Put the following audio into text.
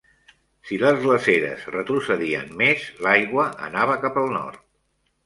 Si les glaceres retrocedien més, l'aigua anava cap al nord.